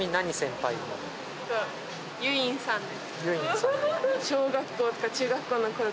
ゆいんさんに。